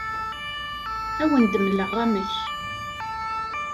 Ad awen-d-mleɣ amek.